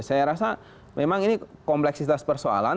saya rasa memang ini kompleksitas persoalan